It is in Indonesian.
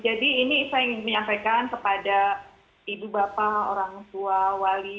jadi ini saya ingin menyampaikan kepada ibu bapak orang tua wali